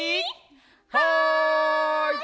はい！